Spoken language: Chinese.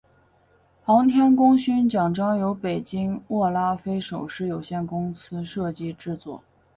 航天功勋奖章由北京握拉菲首饰有限公司设计制作。